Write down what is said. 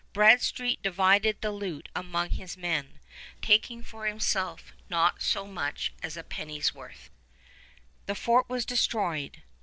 Bradstreet divided the loot among his men, taking for himself not so much as a penny's worth. The fort was destroyed.